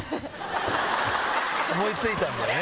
思い付いたんだよね。